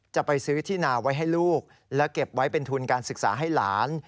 จะไปซื้อที่นาไว้ให้ลูกและเก็บไว้เป็นทุนการศึกษาให้หลาน